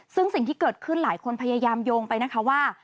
ซึ่งสิ่งที่เกิดขึ้นหลายคนพยายามโยงไปนะคะว่า